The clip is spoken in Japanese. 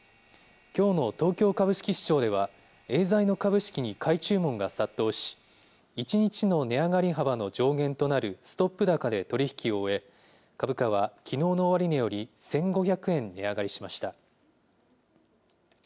きょうの東京株式市場では、エーザイの株式に買い注文が殺到し、１日の値上がり幅の上限となるストップ高で取り引きを終え、株価はきのうの終値より１５００円値上がりしました。